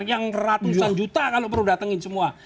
yang ratusan juta kalau perlu datangin semua